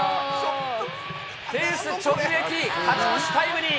フェンス直撃、勝ち越しタイムリー。